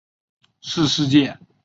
是世界上人口第二多的国家。